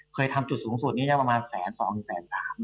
เคยทำจุดสูงสุดเนี่ยยังประมาณแสนสองแสนสามนะ